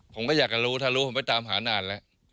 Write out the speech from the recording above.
ผมก็อยากจะรู้ถ้ารู้ผมไปตามหานานแล้ว